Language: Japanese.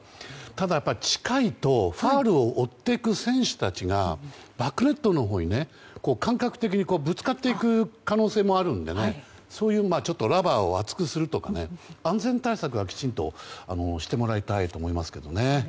ただ、近いとファウルを追っていく選手たちがバックネットのほうに感覚的にぶつかっていく可能性もあるのでそういうラバーを厚くするとか安全対策はきちんとしてもらいたいと思いますけどね。